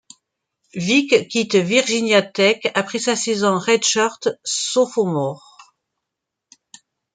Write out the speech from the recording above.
Vick quitte Virginia Tech après sa saison redshirt sophomore.